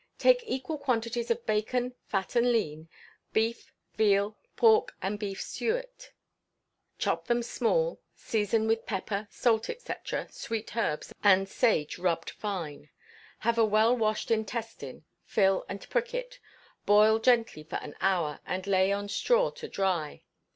Take equal quantities of bacon, fat and lean, beef, veal, pork, and beef suet; chop them small, season with pepper, salt, &c., sweet herbs, and sage rubbed fine. Have a well washed intestine, fill, and prick it; boil gently for an hour, and lay on straw to dry.